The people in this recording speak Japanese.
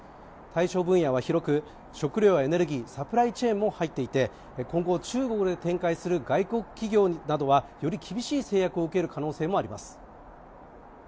対象分野は広く、食糧やエネルギーサプライチェーンも入っていて今後、中国で展開する外国企業などはより厳しい制約を受ける可能性があります。